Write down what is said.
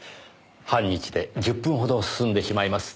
半日で１０分ほど進んでしまいます。